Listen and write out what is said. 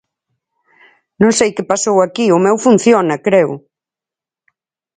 Non sei que pasou aquí, o meu funciona, creo.